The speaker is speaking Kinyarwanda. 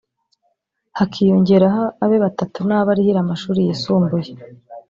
hakiyongeraho abe batatu nabo arihira amashuri yisumbuye